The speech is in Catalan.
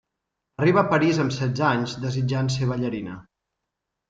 Arriba a París amb setze anys, desitjant ser ballarina.